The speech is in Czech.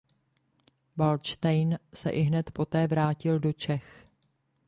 Valdštejn se ihned poté vrátil do Čech.